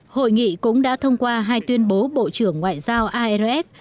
hội nghị cũng đã thông qua hai tuyên bố bộ trưởng ngoại giao arf